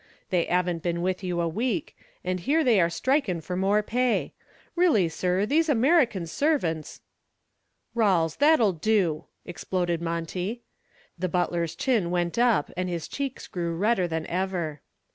They 'aven't been with you a week, and here they are strikin' for more pay. Really, sir, these American servants " "Rawles, that'll do!" exploded Monty. The butler's chin went up and his cheeks grew redder than ever.